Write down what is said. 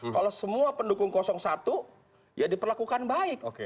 kalau semua pendukung satu ya diperlakukan baik